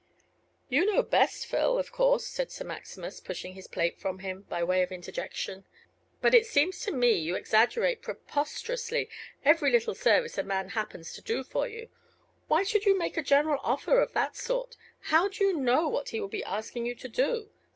"You know best, Phil, of course," said Sir Maximus, pushing his plate from him, by way of interjection. "But it seems to me you exaggerate preposterously every little service a man happens to do for you. Why should you make a general offer of that sort? How do you know what he will be asking you to do?